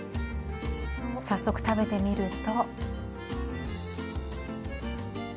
早速、食べてみますと。